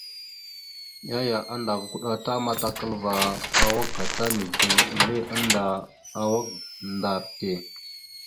Yaya andava kuɗa ta matakalva awak gata mide ille annda awak ɗar te.